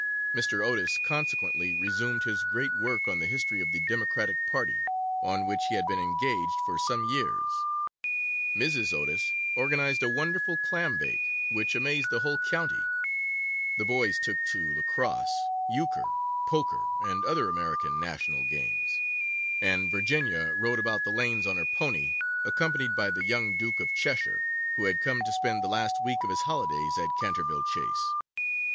Mr. Otis consequently resumed his great work on the history of the Democratic Party, on which he had been engaged for some years; Mrs. Otis organised a wonderful clam bake, which amazed the whole county; the boys took to lacrosse, euchre, poker, and other American national games; and Virginia rode about the lanes on her pony, accompanied by the young Duke of Cheshire, who had come to spend the last week of his holidays at Canterville Chase.